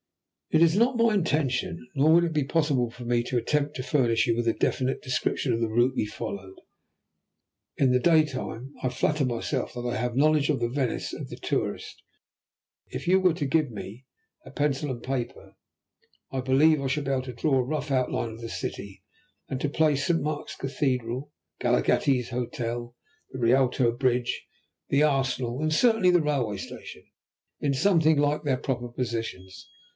It is not my intention, nor would it be possible for me, to attempt to furnish you with a definite description of the route we followed. In the daytime I flatter myself that I have a knowledge of the Venice of the tourist; if you were to give me a pencil and paper I believe I should be able to draw a rough outline of the city, and to place St. Mark's Cathedral, Galaghetti's Hotel, the Rialto bridge, the Arsenal, and certainly the railway station, in something like their proper positions.